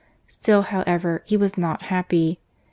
Still, however, he was not happy.